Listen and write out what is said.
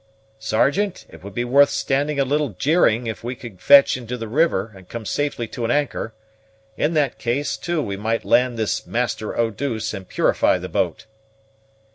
"Sergeant, it would be worth standing a little jeering, if we could fetch into the river, and come safely to an anchor. In that case, too, we might land this Master Eau douce, and purify the boat."